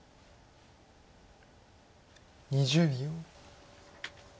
２０秒。